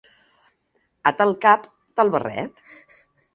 A tal cap, tal barret.